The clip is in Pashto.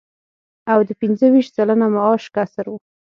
او د پنځه ویشت سلنه معاش کسر و